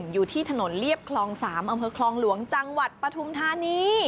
อยู่ที่ถนนเรียบคลอง๓อำเภอคลองหลวงจังหวัดปฐุมธานี